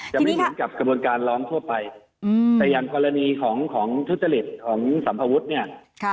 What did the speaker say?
ไม่เหมือนกับกระบวนการร้องทั่วไปแต่อย่างกรณีของทุจริตของสัมภวุฒิเนี่ย